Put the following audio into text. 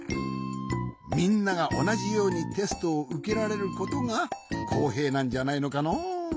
みんながおなじようにテストをうけられることがこうへいなんじゃないのかの？